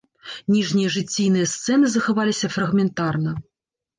Ніжнія жыційныя сцэны захаваліся фрагментарна.